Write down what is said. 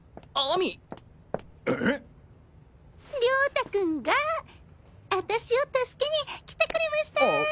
亮太君があたしを助けに来てくれましたぁ。